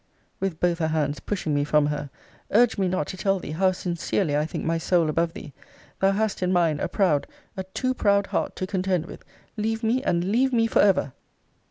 with both her hands pushing me from her! Urge me not to tell thee, how sincerely I think my soul above thee! Thou hast, in mine, a proud, a too proud heart to contend with! Leave me, and leave me for ever!